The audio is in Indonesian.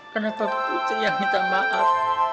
kenapa putri yang minta maaf